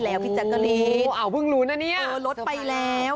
เออลดไปแล้ว